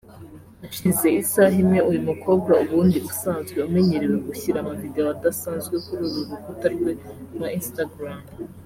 Hashize isaha imwe uyu mukobwa ubundi usanzwe umenyereweho gushyira amavideo adasanzwe kuri uru rukuta rwe rwa Instagram